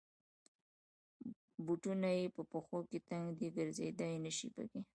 بوټونه یې په پښو کې تنګ دی. ګرځېدای نشی پکې.